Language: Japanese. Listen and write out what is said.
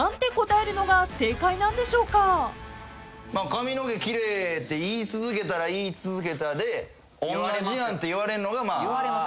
髪の毛奇麗って言い続けたら言い続けたでおんなじやんって言われるのが。